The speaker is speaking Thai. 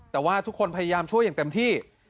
แต่ว่าทุกคนพยายามช่วยอย่างเต็มที่